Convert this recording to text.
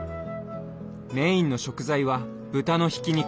メインの食材は豚のひき肉。